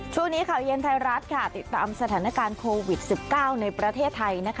ช่วงนี้ข่าวเย็นไทยรัฐติดตามสถานการณ์โควิด๑๙ในประเทศไทย